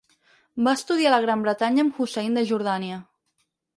Va estudiar a la Gran Bretanya amb Hussein de Jordània.